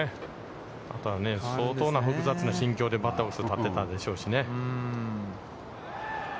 あとは相当な複雑な心境で、バッターボックスに立っていたでしょうし。